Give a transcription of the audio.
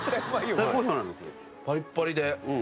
パリッパリで。